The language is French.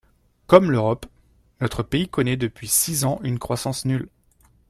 Comme l’Europe, notre pays connaît depuis six ans une croissance nulle.